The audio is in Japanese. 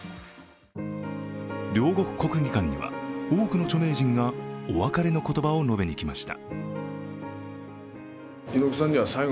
両国国技館には多くの著名人がお別れの言葉を述べに来ました。